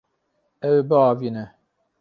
Ew ê biavîne.